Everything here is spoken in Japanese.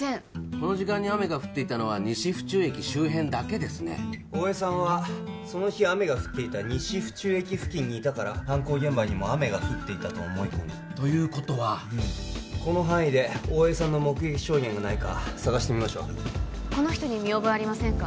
この時間に雨が降っていたのは西府中駅周辺だけですね大江さんはその日雨が降っていた西府中駅付近にいたから犯行現場にも雨が降っていたと思い込んだということはこの範囲で大江さんの目撃証言がないか捜してみましょうこの人に見覚えありませんか？